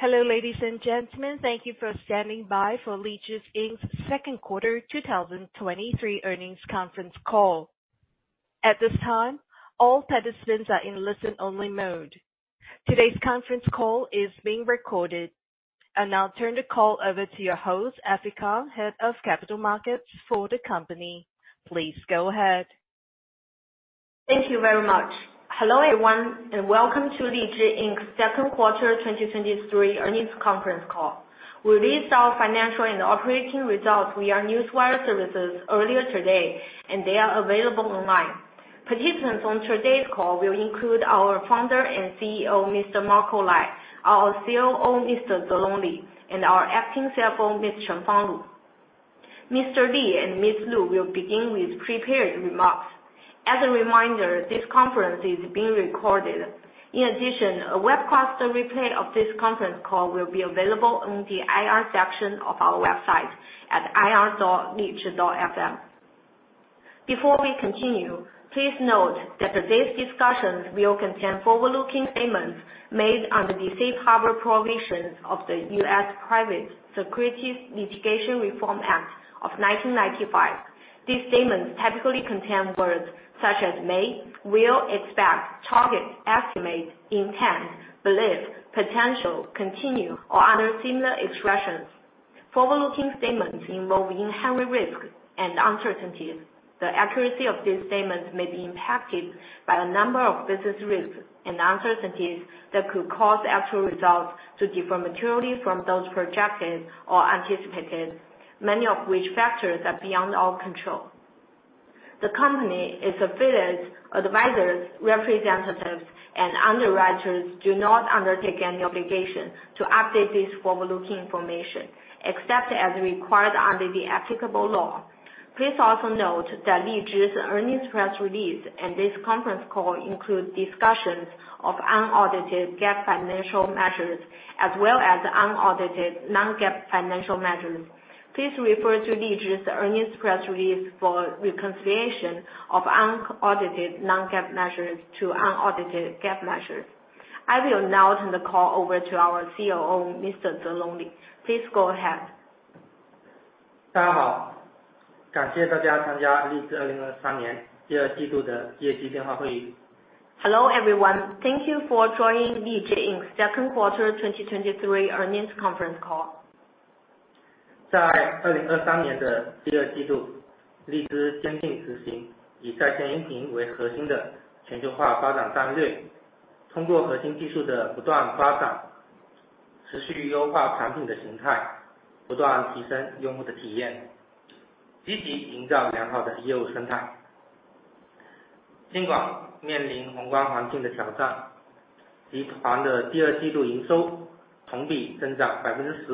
Hello, ladies and gentlemen. Thank you for standing by for LIZHI Inc.'s Second Quarter 2023 Earnings Conference Call. At this time, all participants are in listen-only mode. Today's conference call is being recorded. I'll now turn the call over to your host, Effy Kang, Head of Capital Markets for the company. Please go ahead. Thank you very much. Hello, everyone, and welcome to LIZHI Inc.'s Second Quarter 2023 Earnings Conference Call. We released our financial and operating results via Newswire services earlier today, and they are available online. Participants on today's call will include our founder and CEO, Mr. Marco Lai, our COO, Mr. Zelong Li, and our acting CFO, Ms. Chengfang Lu. Mr. Li and Ms. Lu will begin with prepared remarks. As a reminder, this conference is being recorded. In addition, a webcast replay of this conference call will be available on the IR section of our website at ir.lizhi.fm. Before we continue, please note that today's discussions will contain forward-looking statements made under the Safe Harbor Provisions of the U.S. Private Securities Litigation Reform Act of 1995. These statements typically contain words such as may, will, expect, target, estimate, intent, believe, potential, continue, or other similar expressions. Forward-looking statements involve inherent risks and uncertainties. The accuracy of these statements may be impacted by a number of business risks and uncertainties that could cause actual results to differ materially from those projected or anticipated, many of which factors are beyond our control. The company, its affiliates, advisors, representatives, and underwriters do not undertake any obligation to update this forward-looking information, except as required under the applicable law. Please also note that LIZHI's earnings press release and this conference call include discussions of unaudited GAAP financial measures, as well as unaudited non-GAAP financial measures. Please refer to LIZHI's earnings press release for reconciliation of unaudited non-GAAP measures to unaudited GAAP measures. I will now turn the call over to our COO, Mr. Zelong Li. Please go ahead. Hello, everyone. Thank you for joining LIZHI Inc.'s second quarter 2023 earnings conference call. Hello, everyone. Thank you for joining LIZHI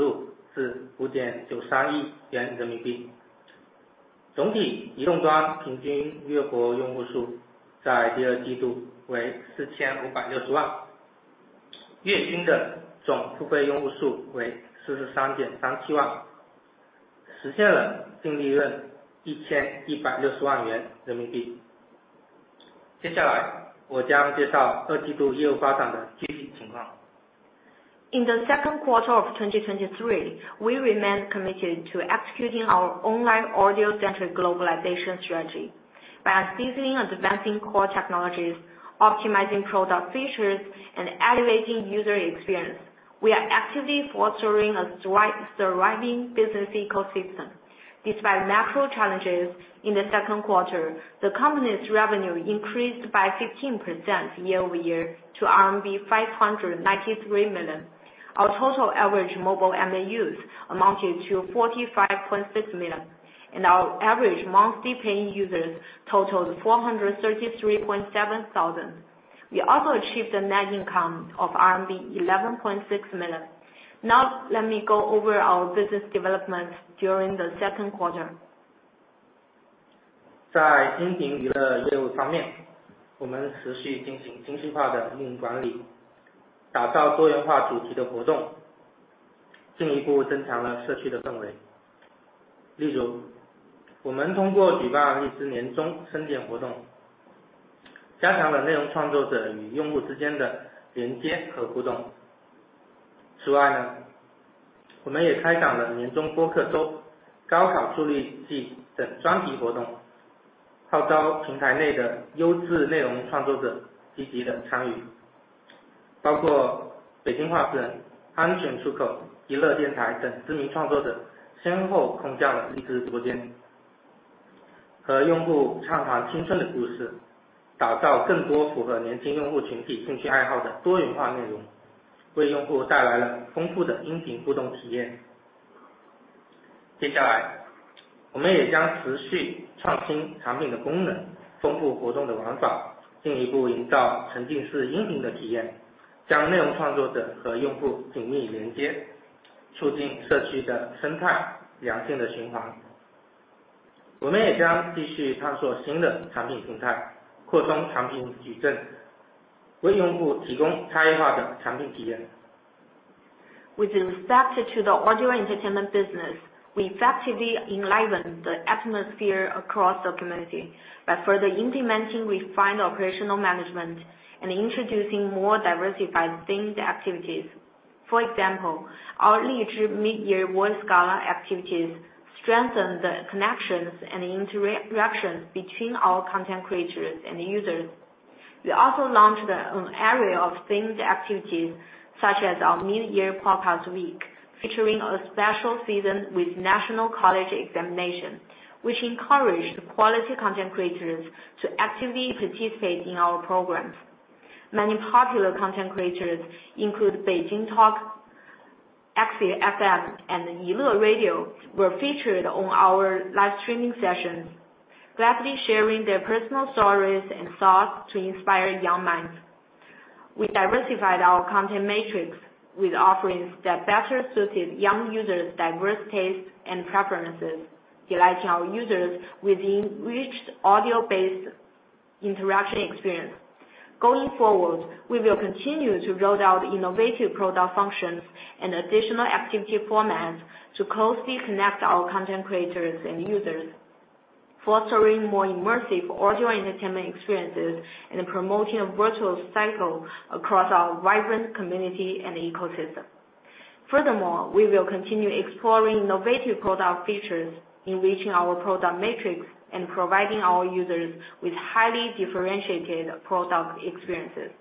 Inc.'s second quarter 2023 earnings conference call. In the second quarter of 2023, we remain committed to executing our online audio-centric globalization strategy. By seizing advancing core technologies, optimizing product features, and elevating user experience, we are actively fostering a thriving business ecosystem. Despite macro challenges in the second quarter, the company's revenue increased by 15% year-over-year to RMB 593 million. Our total average mobile MAUs amounted to 45.6 million, and our average monthly paying users totaled 433,700. We also achieved a net income of RMB 11.6 million. Now, let me go over our business developments during the second quarter. With respect to the audio entertainment business, we effectively enliven the atmosphere across the community by further implementing refined operational management and introducing more diversified themed activities. For example, our LIZHI mid-year voice gala activities strengthen the connections and interactions between our content creators and users. We also launched an array of themed activities, such as our New Year Podcast Week, featuring a special season with National College Examination, which encouraged quality content creators to actively participate in our programs. Many popular content creators, including Beijing Talk, A Xie FM, and Yi Le Radio, were featured on our live streaming sessions, gladly sharing their personal stories and thoughts to inspire young minds. We diversified our content matrix with offerings that better suited young users' diverse tastes and preferences, delighting our users with enriched audio-based interaction experience. Going forward, we will continue to roll out innovative product functions and additional activity formats to closely connect our content creators and users, fostering more immersive audio entertainment experiences and promoting a virtuous cycle across our vibrant community and ecosystem. Furthermore, we will continue exploring innovative product features, enriching our product matrix, and providing our users with highly differentiated product experiences.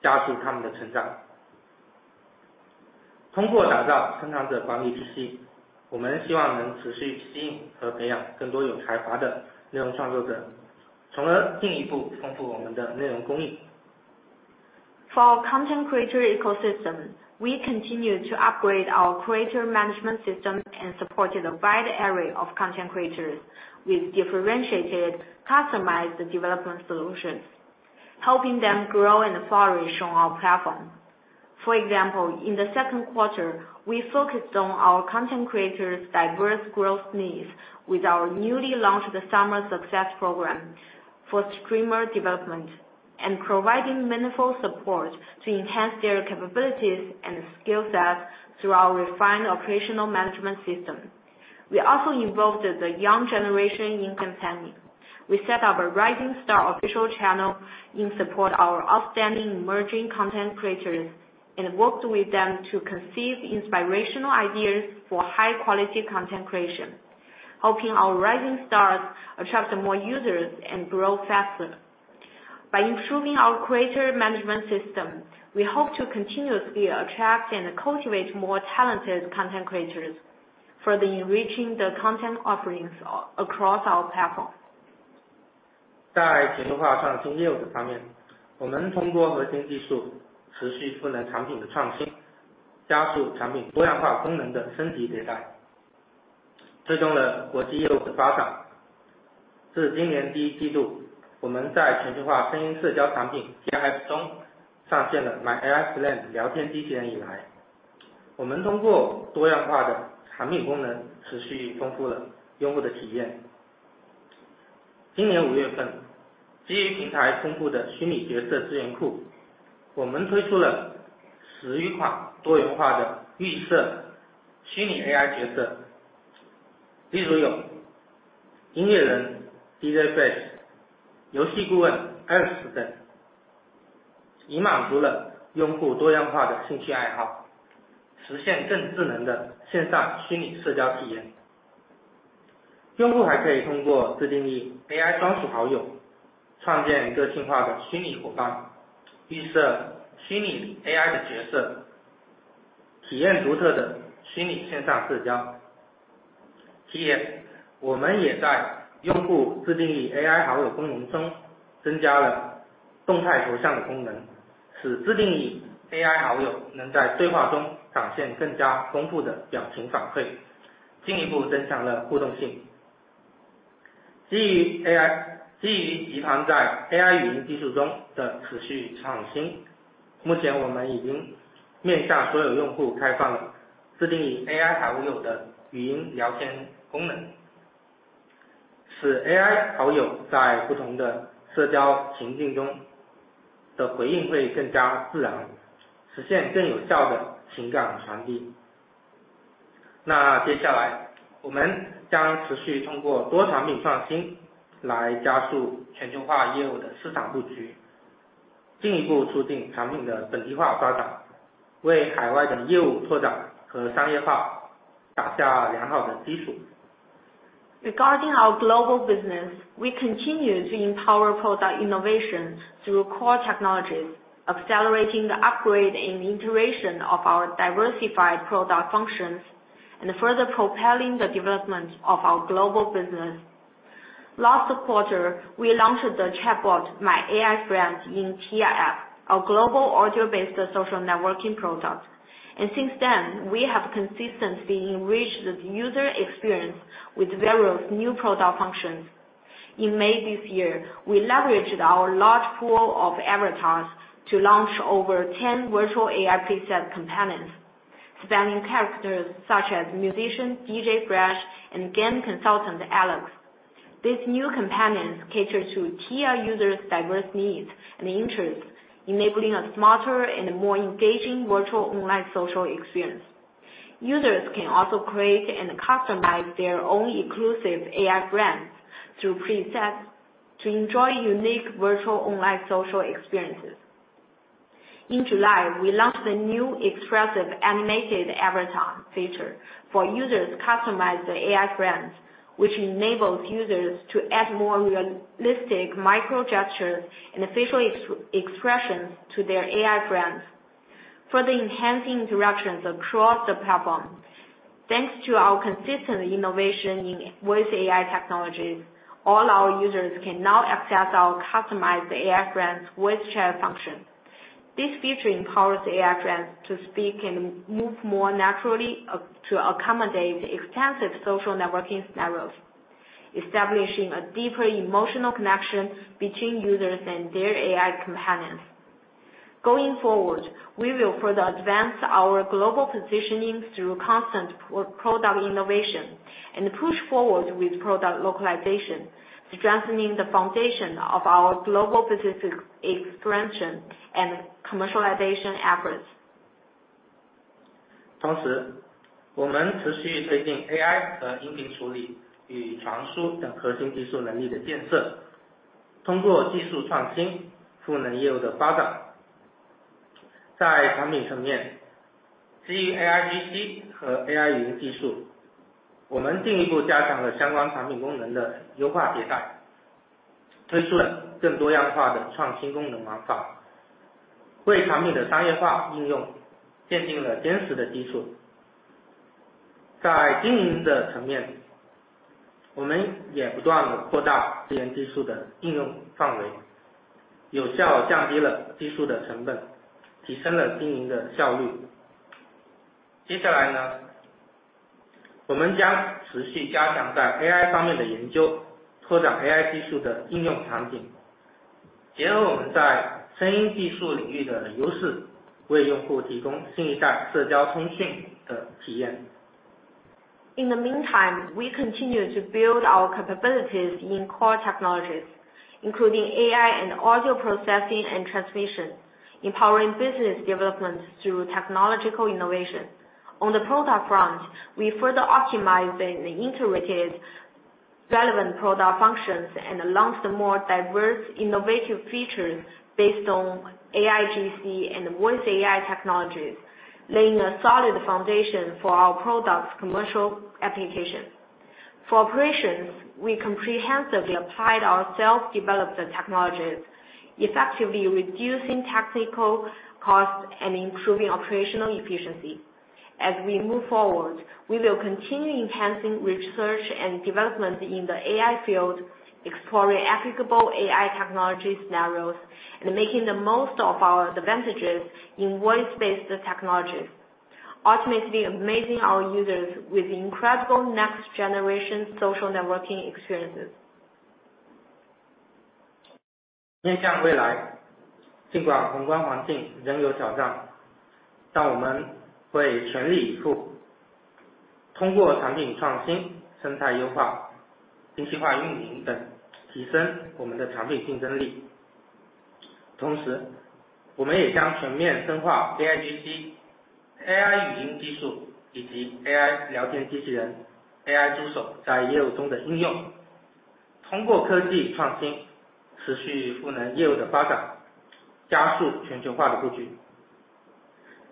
For our content creator ecosystem, we continue to upgrade our creator management system and supported a wide array of content creators with differentiated, customized development solutions, helping them grow and flourish on our platform. For example, in the second quarter, we focused on our content creators' diverse growth needs with our newly launched Summer Success Program for streamer development, and providing meaningful support to enhance their capabilities and skill sets through our refined operational management system. We also involved the young generation in content. We set up a Rising Star official channel in support of our outstanding emerging content creators, and worked with them to conceive inspirational ideas for high-quality content creation, helping our rising stars attract more users and grow faster. By improving our creator management system, we hope to continuously attract and cultivate more talented content creators, further enriching the content offerings across our platform. 在全球化业务方面，我们通过核心技术，持续推动产品的创新，加速产品多样化功能的升级迭代，推动了国际业务的发展。自今年第一季度，我们在全球化声音社交产品TIYA中上线了My AI Bass、游戏顾问Alex等，以满足了用户多样化的兴趣爱好，实现更智能的线上虚拟社交体验。用户还可以通过自定义AI专属好友，创建个性化的虚拟伙伴，预设虚拟AI的角色，体验独特的虚拟线上社交。并且，我们也在用户自定义AI好友功能中增加了动态头像的功能，使自定义AI好友能在对话中展现更加丰富的表情反馈，进一步增强了互动性。基于AI，基于集团在AI语音技术中的持续创新，目前我们已经面向所有用户开放了自定义AI好友的语音聊天功能，使AI好友在不同的社交情境中的回应会更加自然，实现更有效的感情传递。那接下来，我们将继续通过多产品创新来加速全球化业务的市市场局，进一步促进产品的本地化发展，为海外的业务拓展和商业化打下良好的基础。Regarding our global business, we continue to empower product innovation through core technologies, accelerating the upgrade and iteration of our diversified product functions, and further propelling the development of our global business. Last quarter, we launched the chatbot, My AI Friend, in TIYA, our global audio-based social networking product. Since then, we have consistently enriched the user experience with various new product functions. In May this year, we leveraged our large pool of avatars to launch over 10 virtual AI preset companions, spanning characters such as musician DJ Bass and game consultant Alex. These new companions cater to TIYA users' diverse needs and interests, enabling a smarter and more engaging virtual online social experience. Users can also create and customize their own exclusive AI friends through presets to enjoy unique virtual online social experiences. In July, we launched the new expressive animated avatar feature for users to customize the AI friends, which enables users to add more realistic micro gestures and facial expressions to their AI friends, further enhancing interactions across the platform. Thanks to our consistent innovation in voice AI technologies, all our users can now access our customized AI friends voice chat function. This feature empowers AI friends to speak and move more naturally to accommodate extensive social networking scenarios, establishing a deeper emotional connection between users and their AI companions. Going forward, we will further advance our global positioning through constant product innovation and push forward with product localization, strengthening the foundation of our global business expansion and commercialization efforts. In the meantime, we continue to build our capabilities in core technologies, including AI and audio processing and transmission, empowering business developments through technological innovation. On the product front, we further optimized and integrated relevant product functions and launched some more diverse innovative features based on AIGC and voice AI technologies, laying a solid foundation for our product's commercial application. For operations, we comprehensively applied our self-developed technologies, effectively reducing technical costs and improving operational efficiency. As we move forward, we will continue enhancing research and development in the AI field, exploring applicable AI technology scenarios, and making the most of our advantages in voice-based technologies, ultimately amazing our users with incredible next-generation social networking experiences.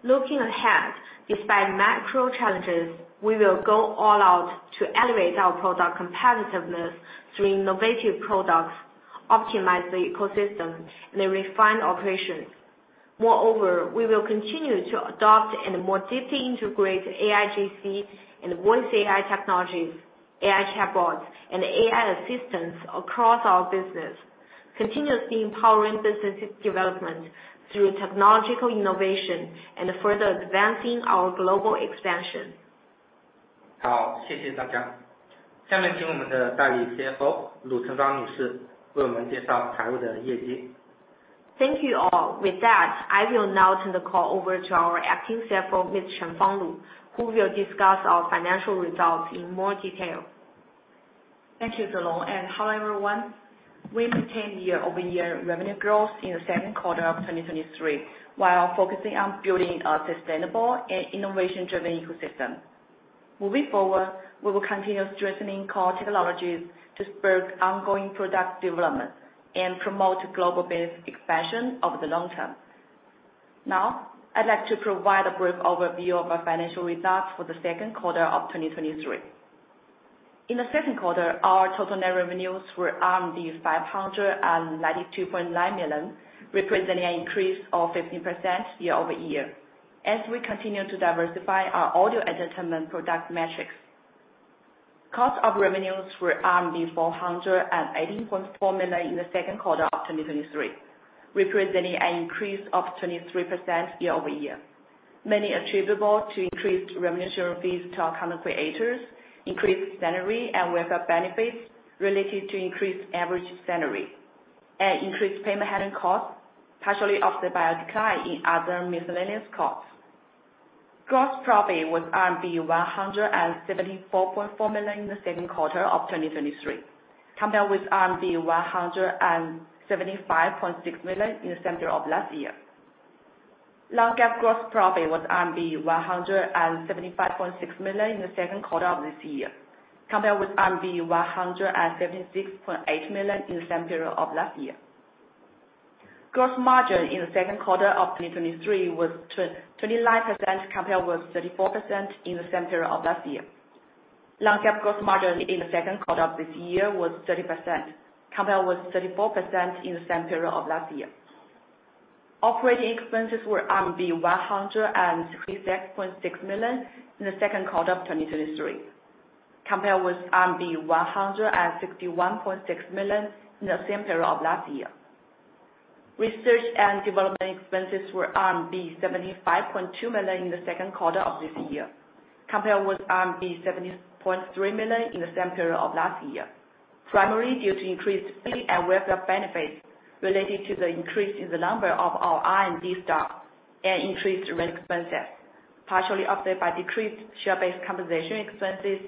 Looking ahead, despite macro challenges, we will go all out to elevate our product competitiveness through innovative products, optimize the ecosystem, and refine operations. Moreover, we will continue to adopt and more deeply integrate AIGC and voice AI technologies, AI chatbots, and AI assistants across our business, continuously empowering business development through technological innovation and further advancing our global expansion. Thank you, all. With that, I will now turn the call over to our acting CFO, Ms. Chengfang Lu, who will discuss our financial results in more detail. Thank you, Zelong, and hi, everyone. We maintained year-over-year revenue growth in the second quarter of 2023, while focusing on building a sustainable and innovation-driven ecosystem. Moving forward, we will continue strengthening core technologies to spur ongoing product development and promote global business expansion over the long term. Now, I'd like to provide a brief overview of our financial results for the second quarter of 2023. In the second quarter, our total net revenues were 592.9 million, representing an increase of 15% year-over-year, as we continue to diversify our audio entertainment product metrics. Cost of revenues were 400.4 million in the second quarter of 2023, representing an increase of 23% year-over-year, mainly attributable to increased remuneration fees to our content creators, increased salary and welfare benefits related to increased average salary, and increased payment handling costs, partially offset by a decline in other miscellaneous costs. Gross profit was RMB 174.4 million in the second quarter of 2023, compared with 175.6 million RMB in the same period of last year. Non-GAAP gross profit was RMB 175.6 million in the second quarter of this year, compared with RMB 176.8 million in the same period of last year. Gross margin in the second quarter of 2023 was 29%, compared with 34% in the same period of last year. Non-GAAP gross margin in the second quarter of this year was 30%, compared with 34% in the same period of last year. Operating expenses were RMB 166.6 million in the second quarter of 2023, compared with RMB 161.6 million in the same period of last year. Research and development expenses were RMB 75.2 million in the second quarter of this year, compared with RMB 70.3 million in the same period of last year, primarily due to increased pay and welfare benefits related to the increase in the number of our R&D staff and increased rent expenses, partially offset by decreased share-based compensation expenses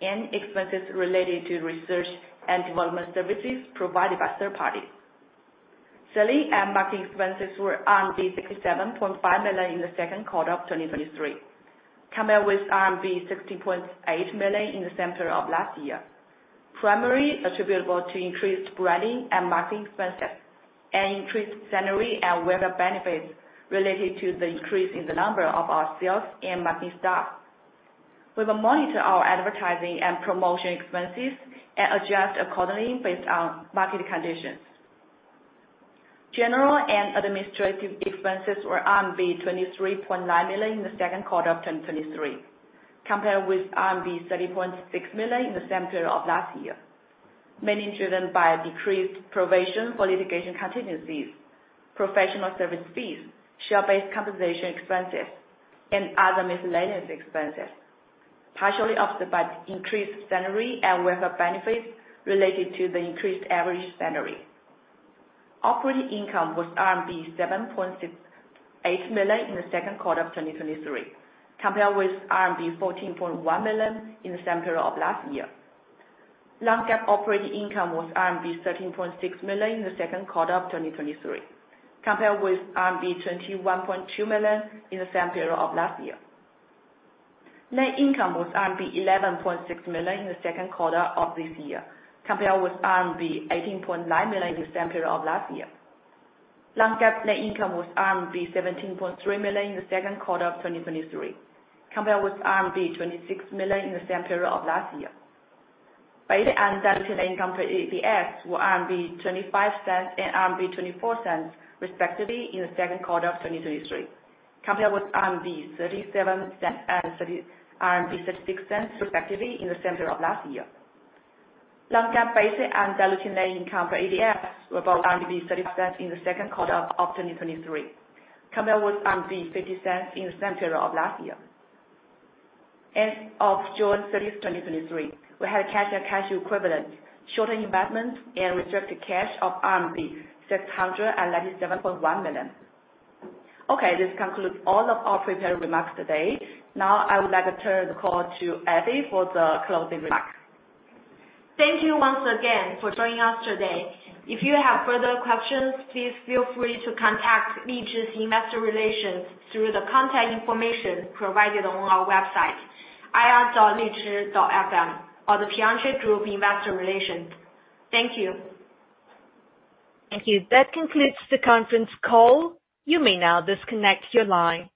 and expenses related to research and development services provided by third party. Selling and marketing expenses were 67.5 million in the second quarter of 2023, compared with RMB 60.8 million in the same period of last year. Primarily attributable to increased branding and marketing expenses and increased salary and welfare benefits related to the increase in the number of our sales and marketing staff. We will monitor our advertising and promotion expenses and adjust accordingly based on market conditions. General and administrative expenses were RMB 23.9 million in the second quarter of 2023, compared with RMB 30.6 million in the same period of last year, mainly driven by a decreased provision for litigation contingencies, professional service fees, share-based compensation expenses, and other miscellaneous expenses, partially offset by increased salary and welfare benefits related to the increased average salary. Operating income was RMB 7.68 million in the second quarter of 2023, compared with RMB 14.1 million in the same period of last year. Non-GAAP operating income was RMB 13.6 million in the second quarter of 2023, compared with RMB 21.2 million in the same period of last year. Net income was RMB 11.6 million in the second quarter of this year, compared with RMB 18.9 million in the same period of last year. Non-GAAP net income was RMB 17.3 million in the second quarter of 2023, compared with RMB 26 million in the same period of last year. Basic and diluted EPS were 0.25 and 0.24, respectively, in the second quarter of 2023, compared with 0.37 and 0.36, respectively, in the same period of last year. Non-GAAP basic and diluted net income per ADS were about 0.30 in the second quarter of 2023, compared with 0.50 in the same period of last year. As of June 30, 2023, we had a cash and cash equivalent, short-term investment, and restricted cash of RMB 697.1 million. Okay, this concludes all of our prepared remarks today. Now, I would like to turn the call to Effy for the closing remarks. Thank you once again for joining us today. If you have further questions, please feel free to contact LIZHI investor relations through the contact information provided on our website, ir.lizhi.fm, or the Piacente Group Investor Relations. Thank you. Thank you. That concludes the conference call. You may now disconnect your line.